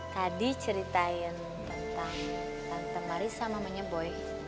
tadi ceritain tentang tante marissa mamanya boy